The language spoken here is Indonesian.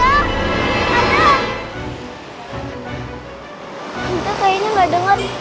tante kayaknya gak denger